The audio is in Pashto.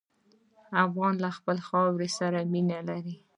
افغان له خپلې خاورې سره مینه لري.